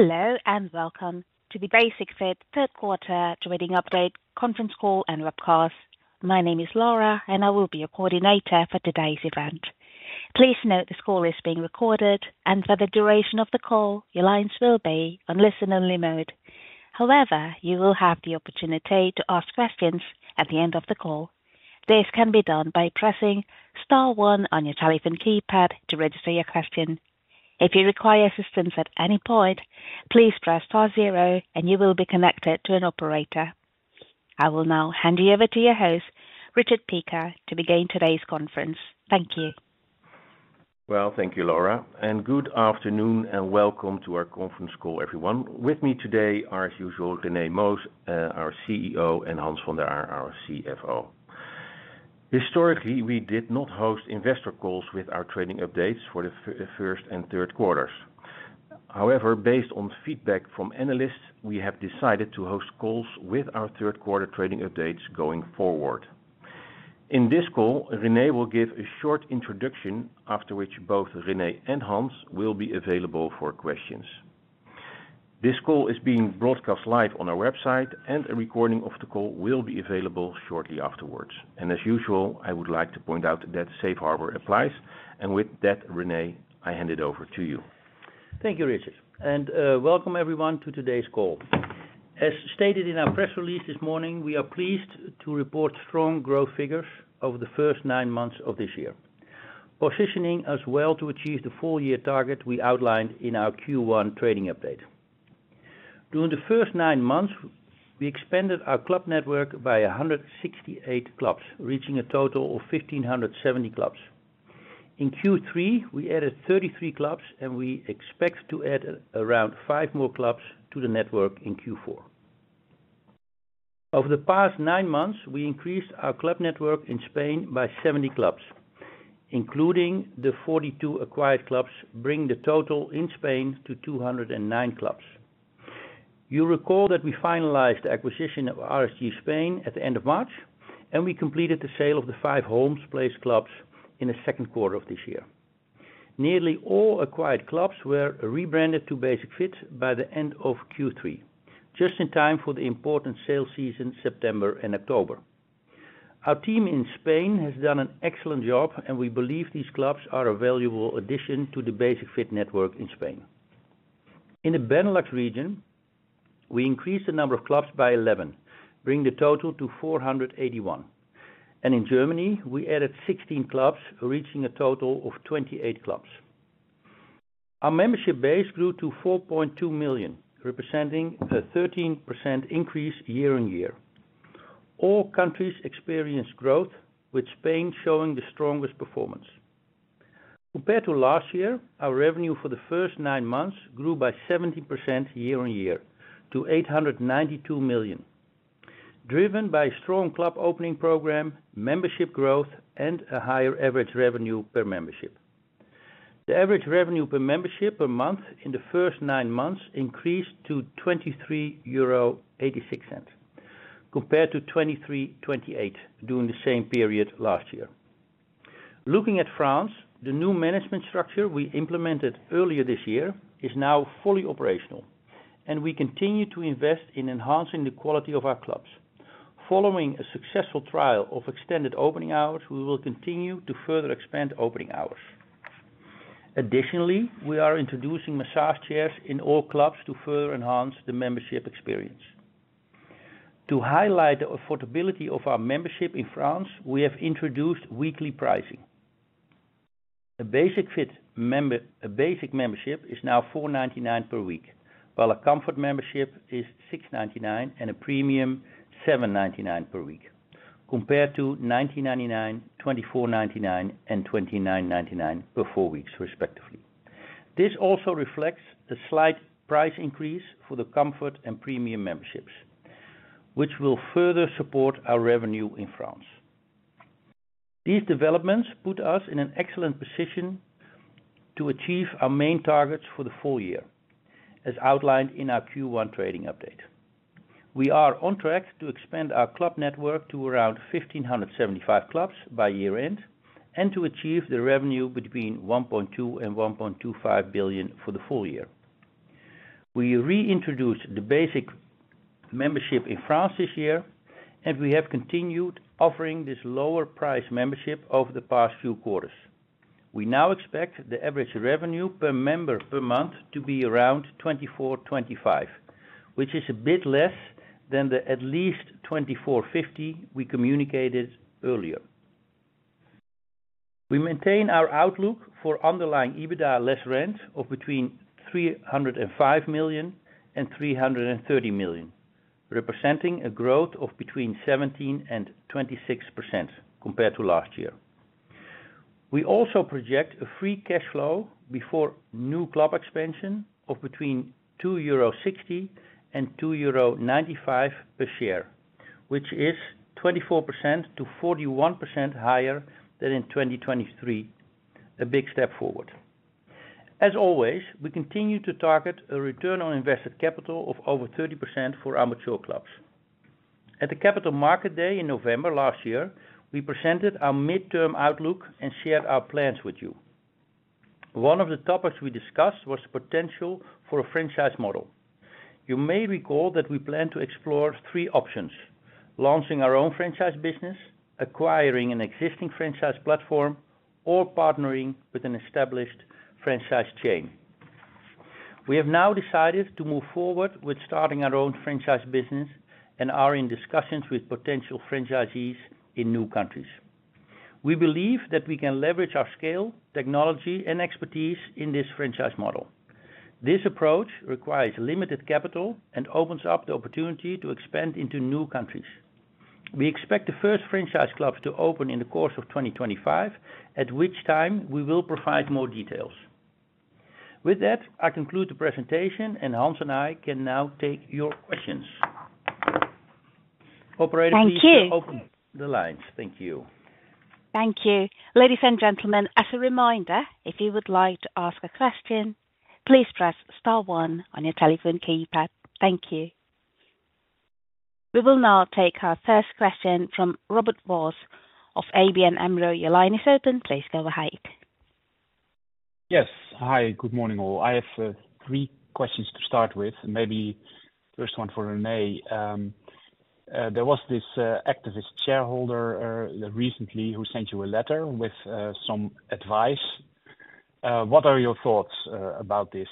Hello, and welcome to the Basic-Fit Third Quarter Trading Update Conference Call and Webcast. My name is Laura, and I will be your coordinator for today's event. Please note, this call is being recorded, and for the duration of the call, your lines will be on listen-only mode. However, you will have the opportunity to ask questions at the end of the call. This can be done by pressing star one on your telephone keypad to register your question. If you require assistance at any point, please press star zero and you will be connected to an operator. I will now hand you over to your host, Richard Piekaar, to begin today's conference. Thank you. Thank you, Laura, and good afternoon and welcome to our conference call, everyone. With me today are, as usual, René Moos, our CEO, and Hans van der Aar, our CFO. Historically, we did not host investor calls with our trading updates for the first and third quarters. However, based on feedback from analysts, we have decided to host calls with our third quarter trading updates going forward. In this call, René will give a short introduction, after which both René and Hans will be available for questions. This call is being broadcast live on our website, and a recording of the call will be available shortly afterwards. As usual, I would like to point out that safe harbor applies. With that, René, I hand it over to you. Thank you, Richard, and welcome everyone to today's call. As stated in our press release this morning, we are pleased to report strong growth figures over the first nine months of this year, positioning us well to achieve the full year target we outlined in our Q1 trading update. During the first nine months, we expanded our club network by a hundred and sixty-eight clubs, reaching a total of fifteen hundred and seventy clubs. In Q3, we added thirty-three clubs, and we expect to add around five more clubs to the network in Q4. Over the past nine months, we increased our club network in Spain by seventy clubs, including the forty-two acquired clubs, bringing the total in Spain to two hundred and nine clubs. You'll recall that we finalized the acquisition of RSG Spain at the end of March, and we completed the sale of the five Holmes Place clubs in the second quarter of this year. Nearly all acquired clubs were rebranded to Basic-Fit by the end of Q3, just in time for the important sale season, September and October. Our team in Spain has done an excellent job, and we believe these clubs are a valuable addition to the Basic-Fit network in Spain. In the Benelux region, we increased the number of clubs by eleven, bringing the total to four hundred and eighty-one, and in Germany, we added sixteen clubs, reaching a total of twenty-eight clubs. Our membership base grew to four point two million, representing a 13% increase year on year. All countries experienced growth, with Spain showing the strongest performance. Compared to last year, our revenue for the first nine months grew by 17% year on year to 892 million, driven by a strong club opening program, membership growth, and a higher average revenue per membership. The average revenue per membership per month in the first nine months increased to 23.86 euro, compared to 23.28 during the same period last year. Looking at France, the new management structure we implemented earlier this year is now fully operational, and we continue to invest in enhancing the quality of our clubs. Following a successful trial of extended opening hours, we will continue to further expand opening hours. Additionally, we are introducing massage chairs in all clubs to further enhance the membership experience. To highlight the affordability of our membership in France, we have introduced weekly pricing. A Basic membership is now 4.99 per week, while a Comfort membership is 6.99, and a Premium, 7.99 per week, compared to 19.99, 24.99, and 29.99 for four weeks, respectively. This also reflects the slight price increase for the Comfort and Premium memberships, which will further support our revenue in France. These developments put us in an excellent position to achieve our main targets for the full year, as outlined in our Q1 trading update. We are on track to expand our club network to around 1,575 clubs by year-end, and to achieve the revenue between 1.2 billion and 1.25 billion for the full year. We reintroduced the basic membership in France this year, and we have continued offering this lower price membership over the past few quarters. We now expect the average revenue per member per month to be around 24-25, which is a bit less than the at least 24.50 we communicated earlier. We maintain our outlook for underlying EBITDA less rent of between 305 million and 330 million, representing a growth of between 17% and 26% compared to last year. We also project a free cash flow before new club expansion of between 2.60 euro and 2.95 euro per share, which is 24% to 41% higher than in 2023. A big step forward. As always, we continue to target a return on invested capital of over 30% for our mature clubs. At the Capital Markets Day in November last year, we presented our midterm outlook and shared our plans with you. One of the topics we discussed was the potential for a franchise model. You may recall that we plan to explore three options: launching our own franchise business, acquiring an existing franchise platform, or partnering with an established franchise chain. We have now decided to move forward with starting our own franchise business and are in discussions with potential franchisees in new countries. We believe that we can leverage our scale, technology, and expertise in this franchise model. This approach requires limited capital and opens up the opportunity to expand into new countries. We expect the first franchise clubs to open in the course of twenty twenty-five, at which time we will provide more details. With that, I conclude the presentation, and Hans and I can now take your questions. Operator, please open the lines. Thank you. Thank you. Ladies and gentlemen, as a reminder, if you would like to ask a question, please press star one on your telephone keypad. Thank you. We will now take our first question from Robert Voss of ABN AMRO. Your line is open. Please go ahead. Yes. Hi, good morning, all. I have three questions to start with, and maybe first one for René. There was this activist shareholder recently who sent you a letter with some advice. What are your thoughts about this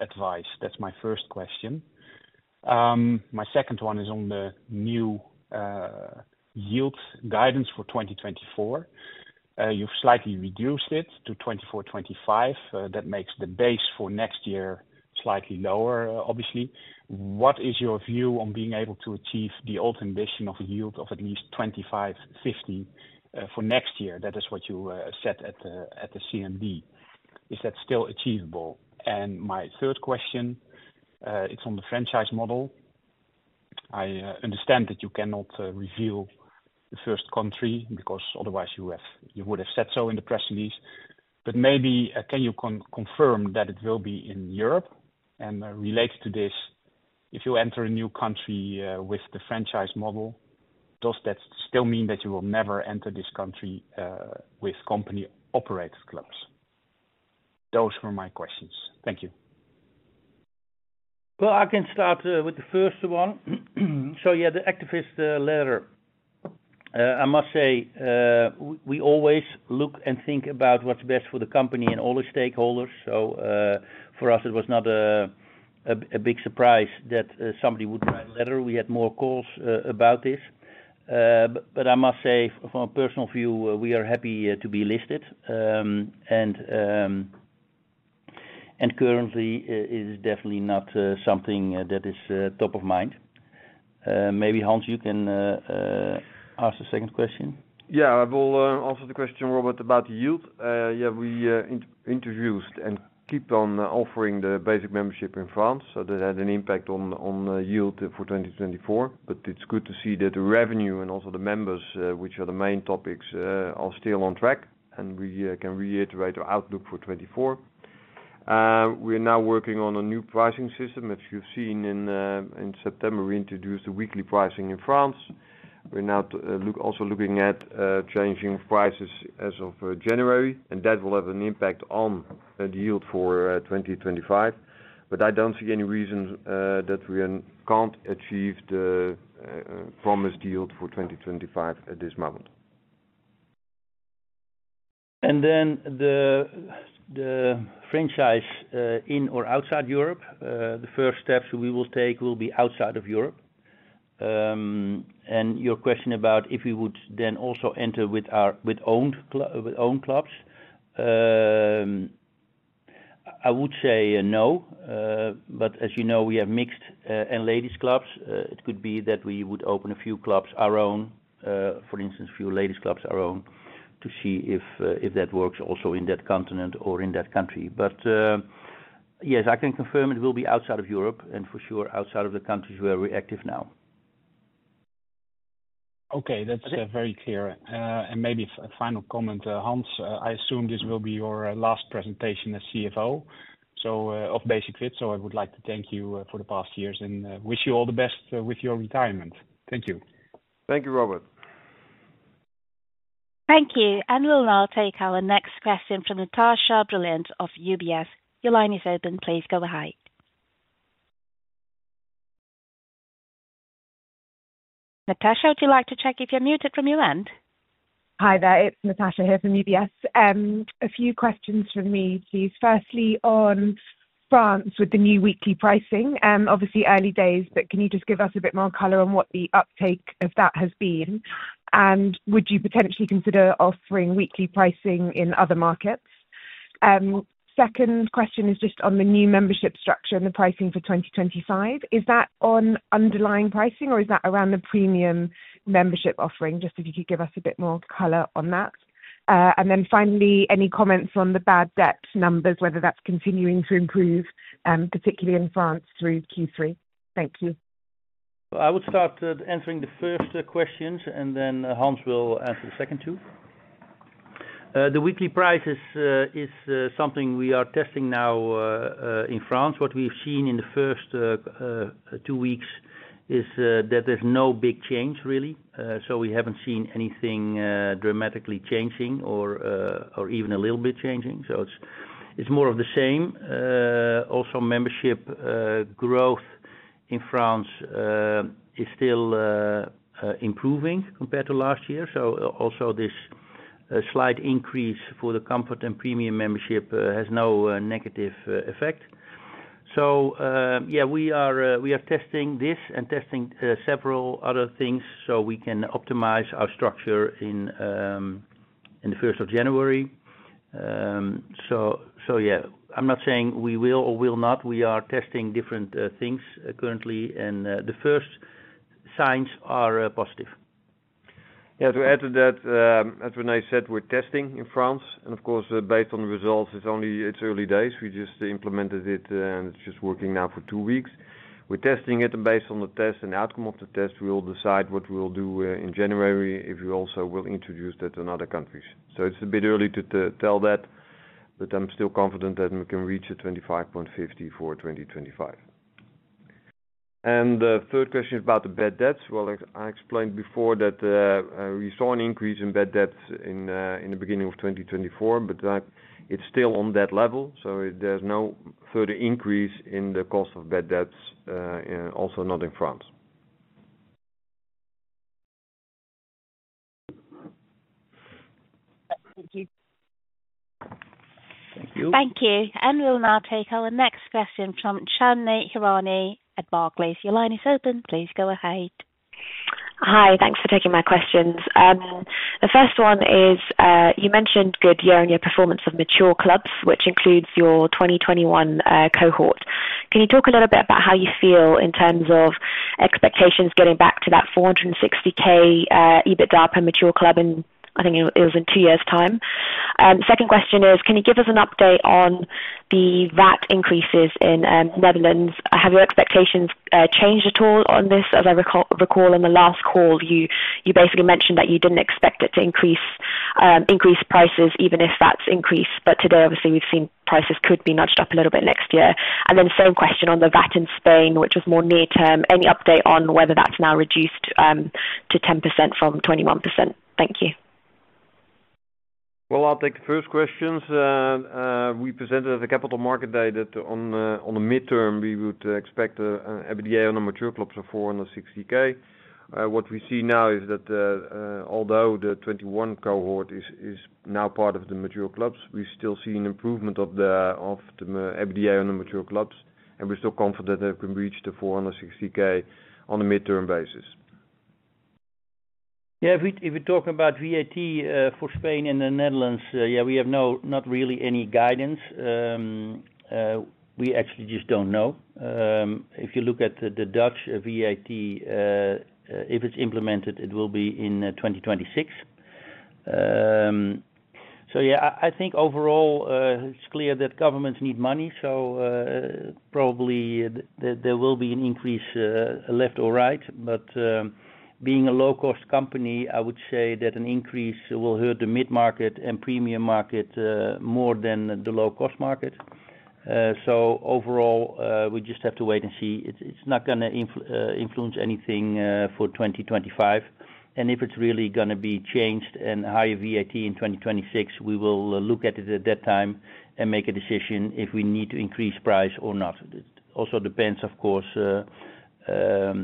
advice? That's my first question. My second one is on the new yield guidance for 2024. You've slightly reduced it to 24-25. That makes the base for next year slightly lower, obviously. What is your view on being able to achieve the old ambition of a yield of at least 25.50 for next year? That is what you set at the CMD. Is that still achievable? And my third question, it's on the franchise model. I understand that you cannot reveal the first country because otherwise you would have said so in the press release. But maybe can you confirm that it will be in Europe? And related to this, if you enter a new country with the franchise model, does that still mean that you will never enter this country with company-operated clubs? Those were my questions. Thank you. I can start with the first one, so yeah, the activist letter. I must say, we always look and think about what's best for the company and all the stakeholders, so for us, it was not a big surprise that somebody would write a letter. We had more calls about this. But I must say, from a personal view, we are happy to be listed, and currently, it is definitely not something that is top of mind. Maybe, Hans, you can ask the second question. Yeah, I will answer the question, Robert, about the yield. Yeah, we introduced and kept on offering the basic membership in France, so that had an impact on the yield for 2024. But it's good to see that the revenue and also the members, which are the main topics, are still on track, and we can reiterate our outlook for 2024. We're now working on a new pricing system. As you've seen in September, we introduced a weekly pricing in France. We're now also looking at changing prices as of January, and that will have an impact on the yield for 2025. But I don't see any reason that we can't achieve the promised yield for 2025 at this moment. And then the franchise in or outside Europe? The first steps we will take will be outside of Europe. And your question about if we would then also enter with own clubs, I would say no. But as you know, we have mixed in ladies' clubs. It could be that we would open a few clubs our own, for instance, a few ladies' clubs our own, to see if that works also in that continent or in that country. But yes, I can confirm it will be outside of Europe, and for sure, outside of the countries where we're active now. Okay, that's very clear, and maybe a final comment, Hans. I assume this will be your last presentation as CFO of Basic-Fit, so I would like to thank you for the past years, and wish you all the best with your retirement. Thank you. Thank you, Robert. Thank you, and we'll now take our next question from Natasha Brilliant of UBS. Your line is open. Please go ahead. Natasha, would you like to check if you're muted from your end? Hi there, it's Natasha here from UBS. A few questions from me, please. Firstly, on France, with the new weekly pricing, obviously early days, but can you just give us a bit more color on what the uptake of that has been? And would you potentially consider offering weekly pricing in other markets? Second question is just on the new membership structure and the pricing for 2025. Is that on underlying pricing, or is that around the premium membership offering? Just if you could give us a bit more color on that. And then finally, any comments on the bad debt numbers, whether that's continuing to improve, particularly in France through Q3? Thank you. I would start answering the first questions, and then Hans will answer the second two. The weekly prices is something we are testing now in France. What we've seen in the first two weeks is that there's no big change, really. So we haven't seen anything dramatically changing or even a little bit changing. So it's more of the same. Also membership growth in France is still improving compared to last year. So also this slight increase for the comfort and premium membership has no negative effect. So yeah, we are testing this and testing several other things, so we can optimize our structure in the first of January. So yeah, I'm not saying we will or will not. We are testing different things currently, and the first signs are positive. Yeah, to add to that, as René said, we're testing in France, and of course, based on the results, it's early days. We just implemented it, and it's just working now for two weeks. We're testing it, and based on the test and outcome of the test, we will decide what we will do, in January, if we also will introduce that in other countries. So it's a bit early to tell that, but I'm still confident that we can reach a twenty-five point fifty for twenty twenty-five. And the third question is about the bad debts. As I explained before, we saw an increase in bad debts in the beginning of 2024, but it's still on that level, so there's no further increase in the cost of bad debts, and also not in France. Thank you. Thank you. Thank you, and we'll now take our next question from Chandni Hirani at Barclays. Your line is open. Please go ahead. Hi, thanks for taking my questions. The first one is, you mentioned good year-on-year performance of mature clubs, which includes your 2021 cohort. Can you talk a little bit about how you feel in terms of expectations getting back to that 460K EBITDA per mature club in, I think it was in two years' time? Second question is, can you give us an update on the VAT increases in Netherlands? Have your expectations changed at all on this? As I recall, in the last call, you basically mentioned that you didn't expect it to increase prices even if that's increased. But today, obviously, we've seen prices could be nudged up a little bit next year. And then same question on the VAT in Spain, which was more near term. Any update on whether that's now reduced to 10% from 21%? Thank you. I'll take the first questions. We presented at the Capital Markets Day that on the midterm, we would expect EBITDA on the mature clubs of four hundred and sixty K. What we see now is that although the twenty-one cohort is now part of the mature clubs, we still see an improvement of the EBITDA on the mature clubs, and we're still confident that we can reach the four hundred and sixty K on a midterm basis. Yeah, if we talk about VAT for Spain and the Netherlands, yeah, we have no, not really any guidance. We actually just don't know. If you look at the Dutch VAT, if it's implemented, it will be in 2026. So yeah, I think overall, it's clear that governments need money, so probably there will be an increase, left or right. Being a low-cost company, I would say that an increase will hurt the mid-market and premium market more than the low-cost market. So overall, we just have to wait and see. It's not gonna influence anything for 2025. If it's really gonna be changed and higher VAT in 2026, we will look at it at that time and make a decision if we need to increase price or not. It also depends, of course, at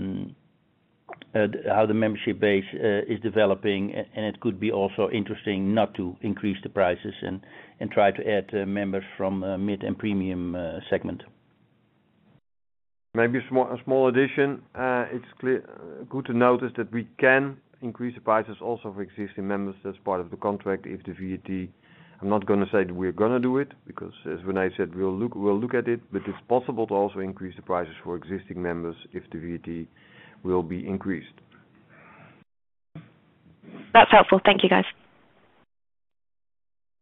how the membership base is developing, and it could be also interesting not to increase the prices and try to add members from mid and premium segment. Maybe a small addition. It's clear, good to notice that we can increase the prices also for existing members as part of the contract, if the VAT... I'm not gonna say that we're gonna do it, because as René said, we'll look at it. But it's possible to also increase the prices for existing members if the VAT will be increased. That's helpful. Thank you, guys.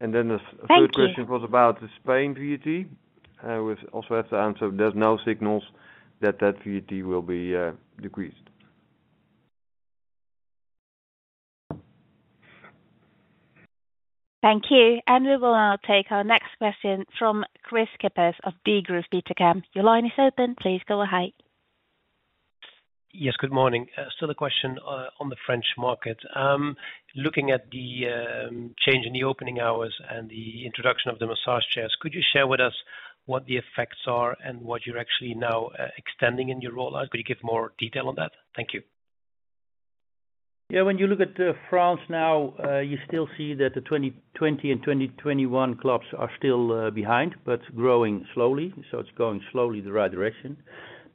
And then the- Thank you. Third question was about the Spain VAT, which also have the answer. There's no signals that that VAT will be decreased. Thank you, and we will now take our next question from Kris Kippers of Degroof Petercam. Your line is open. Please go ahead. Yes, good morning. Still a question on the French market. Looking at the change in the opening hours and the introduction of the massage chairs, could you share with us what the effects are and what you're actually now extending in your rollout? Could you give more detail on that? Thank you. Yeah, when you look at France now, you still see that the 2020 and 2021 clubs are still behind, but growing slowly, so it's going slowly the right direction.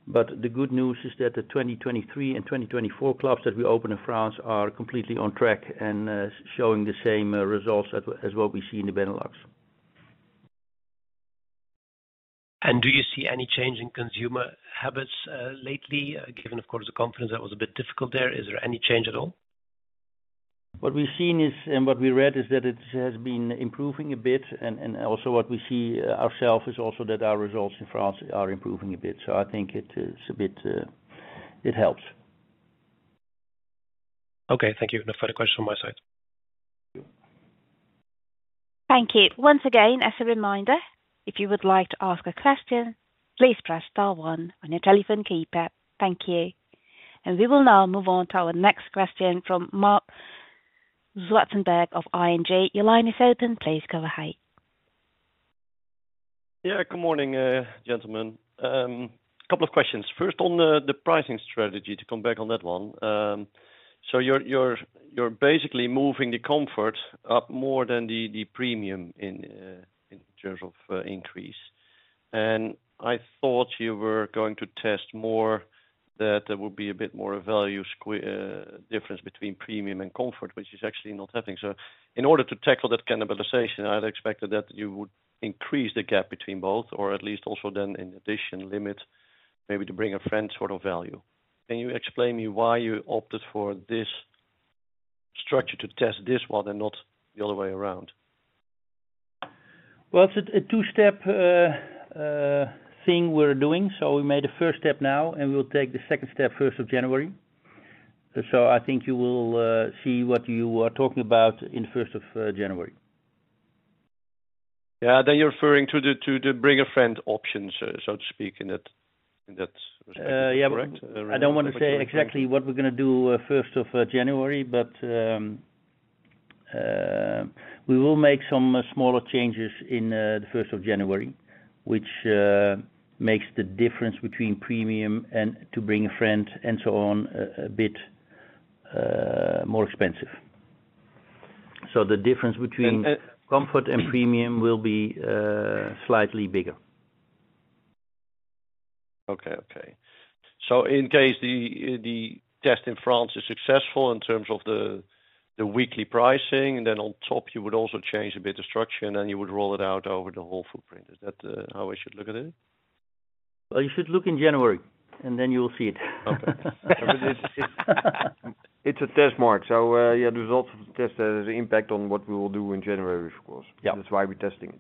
But the good news is that the 2023 and 2024 clubs that we opened in France are completely on track and showing the same results as what we see in the Benelux. And do you see any change in consumer habits, lately, given, of course, the confidence that was a bit difficult there? Is there any change at all? What we've seen is, and what we read, is that it has been improving a bit, and also what we see ourselves is also that our results in France are improving a bit. So I think it, it's a bit, it helps. Okay, thank you. No further questions on my side. Thank you. Once again, as a reminder, if you would like to ask a question, please press star one on your telephone keypad. Thank you. And we will now move on to our next question from Marc Zwartsenburg of ING. Your line is open. Please go ahead. Yeah, good morning, gentlemen. Couple of questions. First, on the pricing strategy, to come back on that one. So you're basically moving the Comfort up more than the Premium in terms of increase. And I thought you were going to test more, that there would be a bit more value difference between Premium and Comfort, which is actually not happening. So in order to tackle that cannibalization, I'd expected that you would increase the gap between both, or at least also then, in addition, limit maybe to bring a friend sort of value. Can you explain me why you opted for this structure to test this one and not the other way around? Well, it's a two-step thing we're doing. So we made the first step now, and we'll take the second step first of January. So I think you will see what you are talking about in first of January. Yeah. Then you're referring to the bring-a-friend option, so to speak, in that respect. Uh, yeah. Correct? I don't wanna say exactly what we're gonna do first of January, but we will make some smaller changes in the first of January, which makes the difference between Premium and to bring a friend, and so on, a bit more expensive. So the difference between- And, and-... Comfort and Premium will be slightly bigger. Okay, okay. So in case the test in France is successful in terms of the weekly pricing, and then on top, you would also change a bit of structure, and then you would roll it out over the whole footprint. Is that how I should look at it? You should look in January, and then you will see it. Okay. It's a test, Marc, so yeah, the results of the test has an impact on what we will do in January, of course. Yeah. That's why we're testing it.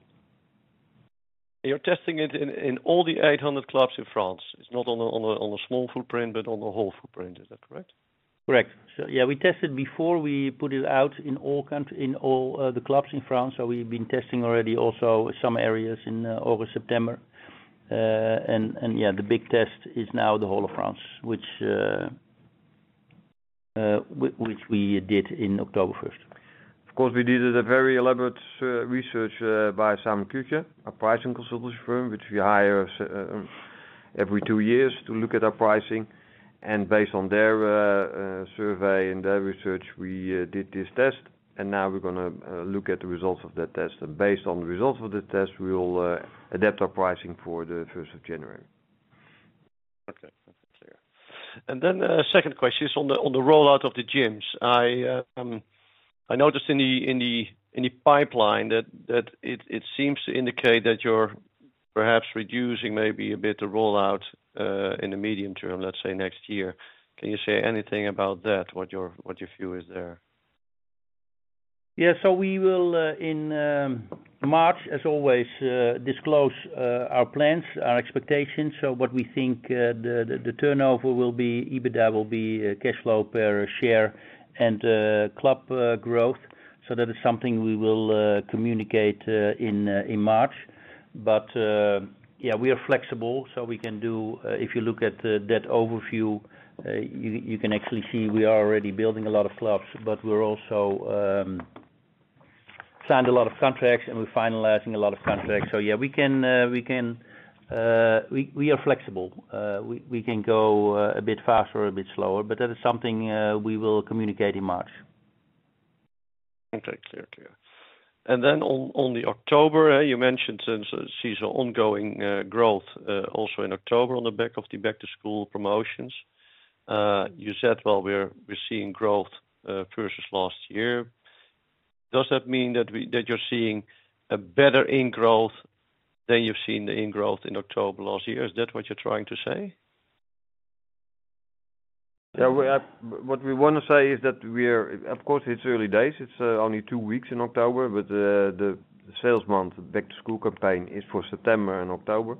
You're testing it in all the eight hundred clubs in France. It's not on a small footprint, but on the whole footprint. Is that correct? Correct. So yeah, we tested before we put it out in all the clubs in France. So we've been testing already also some areas in August, September. And yeah, the big test is now the whole of France, which we did in October first. Of course, we did a very elaborate research by Simon-Kucher, a pricing consultancy firm, which we hire every two years to look at our pricing. And based on their survey and their research, we did this test. And now we're gonna look at the results of that test. And based on the results of the test, we will adapt our pricing for the first of January. Okay. That's clear. And then second question is on the rollout of the gyms. I noticed in the pipeline that it seems to indicate that you're perhaps reducing maybe a bit the rollout in the medium term, let's say next year. Can you say anything about that? What your view is there? Yeah, so we will in March, as always, disclose our plans, our expectations. So what we think the turnover will be, EBITDA will be, cash flow per share, and club growth. So that is something we will communicate in March. But yeah, we are flexible, so we can do. If you look at that overview, you can actually see we are already building a lot of clubs. But we're also signed a lot of contracts, and we're finalizing a lot of contracts. So yeah, we can, we are flexible. We can go a bit faster or a bit slower, but that is something we will communicate in March. Okay. Clear to you. And then on the October, you mentioned since we see ongoing growth also in October on the back of the back-to-school promotions. You said, "Well, we're, we're seeing growth versus last year." Does that mean that you're seeing better growth than you've seen in growth in October last year? Is that what you're trying to say? Yeah, what we wanna say is that we're... Of course, it's early days. It's only two weeks in October, but the sales month, back to school campaign is for September and October,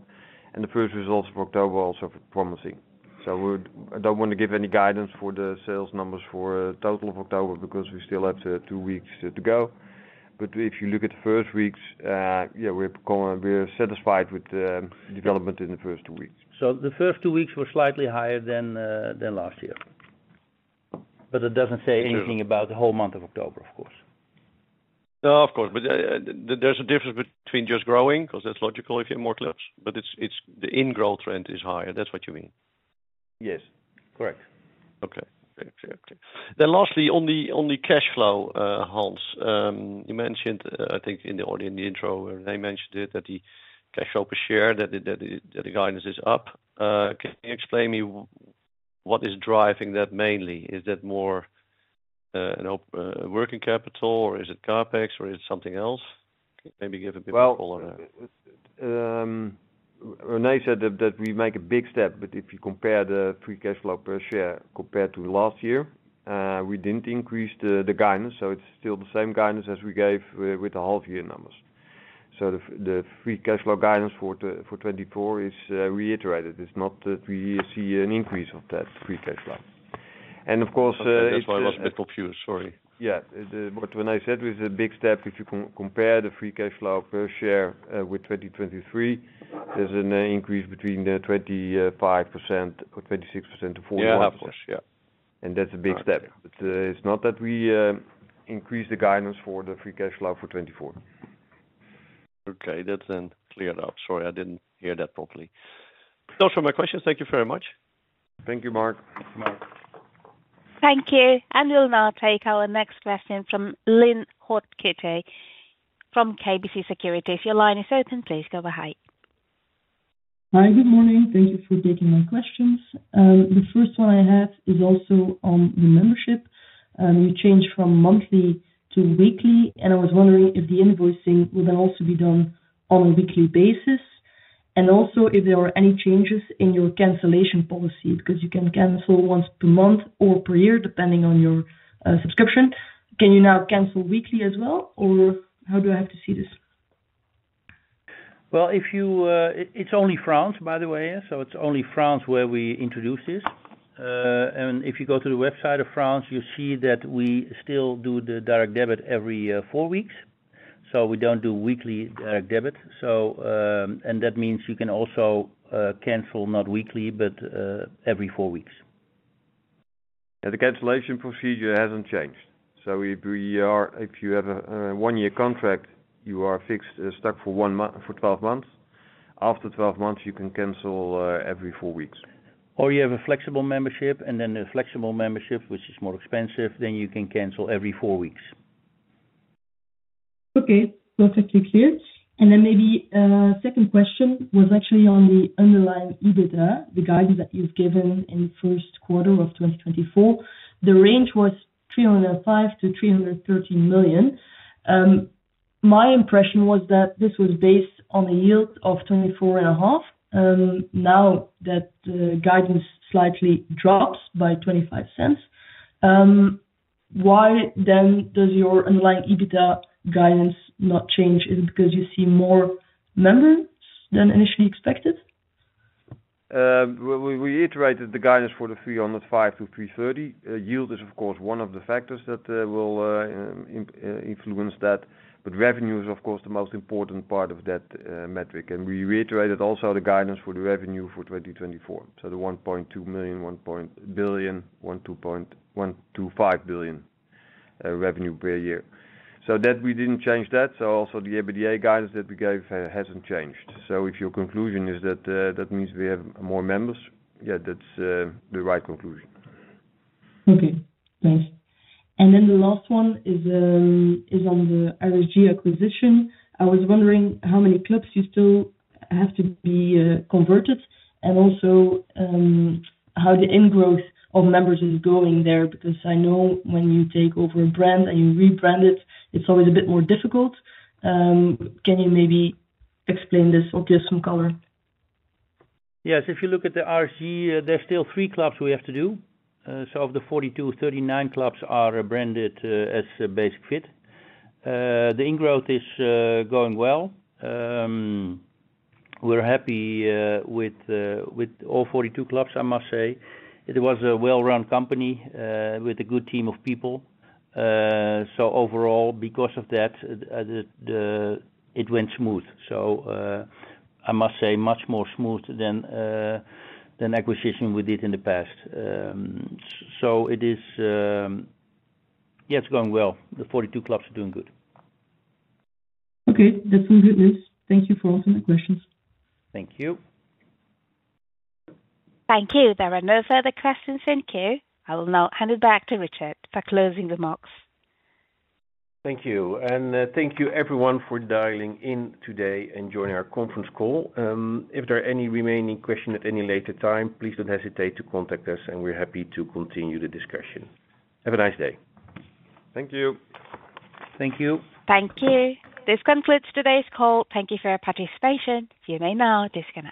and the first results for October are also promising. I don't want to give any guidance for the sales numbers for total of October, because we still have two weeks to go. But if you look at the first weeks, yeah, we're going, we're satisfied with the development in the first two weeks. So the first two weeks were slightly higher than last year. But it doesn't say anything- True... about the whole month of October, of course. No, of course, but there's a difference between just growing, 'cause that's logical if you have more clubs, but it's the in-growth trend is higher. That's what you mean? Yes, correct. Okay. Exactly. Then lastly, on the cash flow, Hans, you mentioned, I think in the intro, René mentioned it, that the cash flow per share, that the guidance is up. Can you explain me, what is driving that mainly? Is that more, you know, working capital, or is it CapEx, or is it something else? Maybe give a bit more color on that. Well, René said that we make a big step, but if you compare the free cash flow per share compared to last year, we didn't increase the guidance, so it's still the same guidance as we gave with the half year numbers. So the free cash flow guidance for twenty-four is reiterated. It's not that we see an increase of that free cash flow. And of course. That's why I was a bit confused. Sorry. Yeah. But when I said it was a big step, if you compare the free cash flow per share with 2023, there's an increase between the 25% or 26% to 41%. Yeah. That's a big step. Okay. But, it's not that we increase the guidance for the free cash flow for 2024. Okay, that's then cleared up. Sorry, I didn't hear that properly. Those were my questions. Thank you very much. Thank you, Marc. Thank you. And we'll now take our next question from Lynn Hautekeete from KBC Securities. If your line is open, please go ahead. Hi, good morning. Thank you for taking my questions. The first one I have is also on the membership. You changed from monthly to weekly, and I was wondering if the invoicing will now also be done on a weekly basis, and also if there are any changes in your cancellation policy, because you can cancel once per month or per year, depending on your subscription. Can you now cancel weekly as well, or how do I have to see this? Well, if you, it's only France, by the way. So it's only France where we introduce this. And if you go to the website of France, you'll see that we still do the direct debit every four weeks. So we don't do weekly direct debit. So, and that means you can also cancel, not weekly, but every four weeks. Yeah, the cancellation procedure hasn't changed. So if you have a one-year contract, you are fixed, stuck for one month. For twelve months. After twelve months, you can cancel every four weeks. Or you have a flexible membership, and then the flexible membership, which is more expensive, then you can cancel every four weeks. Okay, perfectly clear, and then maybe, second question was actually on the underlying EBITDA, the guidance that you've given in first quarter of 2024. The range was 305 million-313 million. My impression was that this was based on a yield of 24.5. Now that the guidance slightly drops by 0.25, why then does your underlying EBITDA guidance not change? Is it because you see more members than initially expected? Well, we iterated the guidance for 305 million to 330 million. Yield is, of course, one of the factors that will influence that, but revenue is, of course, the most important part of that metric. We reiterated also the guidance for the revenue for 2024. So the 1.2 billion-1.25 billion revenue per year. So that, we didn't change that. So also the EBITDA guidance that we gave hasn't changed. So if your conclusion is that that means we have more members, yeah, that's the right conclusion. Okay, thanks. And then the last one is on the RSG acquisition. I was wondering how many clubs you still have to be converted, and also, how the in-growth of members is going there, because I know when you take over a brand and you rebrand it, it's always a bit more difficult. Can you maybe explain this or give some color? Yes, if you look at the RSG, there's still three clubs we have to do. So of the 42, 39 clubs are branded as Basic-Fit. The integration is going well. We're happy with all 42 clubs, I must say. It was a well-run company with a good team of people. So overall, because of that, it went smooth. So, I must say much more smooth than acquisition we did in the past. So it is, yeah, it's going well. The 42 clubs are doing good. Okay, that's all good news. Thank you for answering the questions. Thank you. Thank you. There are no further questions in queue. I will now hand it back to Richard for closing remarks. Thank you. And, thank you everyone for dialing in today and joining our conference call. If there are any remaining questions at any later time, please don't hesitate to contact us, and we're happy to continue the discussion. Have a nice day. Thank you. Thank you. Thank you. This concludes today's call. Thank you for your participation. You may now disconnect.